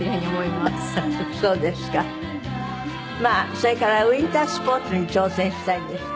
それからウィンタースポーツに挑戦したいんですって？